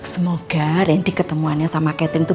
semoga randy ketemuannya sama catherine